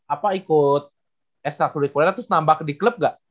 apa ikut ekstra kulikuler terus nambah di klub gak